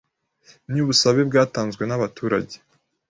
Ni ubusabe bwatanzwe n’abaturage